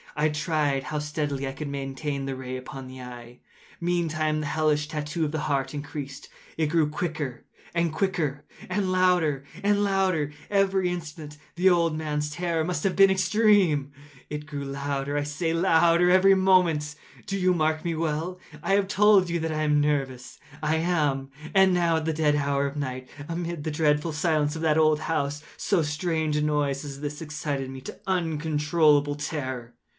I tried how steadily I could maintain the ray upon the eve. Meantime the hellish tattoo of the heart increased. It grew quicker and quicker, and louder and louder every instant. The old man’s terror must have been extreme! It grew louder, I say, louder every moment!—do you mark me well? I have told you that I am nervous: so I am. And now at the dead hour of the night, amid the dreadful silence of that old house, so strange a noise as this excited me to uncontrollable terror.